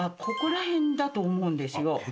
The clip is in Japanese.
ここら辺だと思うんですよ。